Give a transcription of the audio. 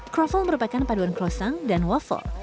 kroffel merupakan paduan crosesan dan waffle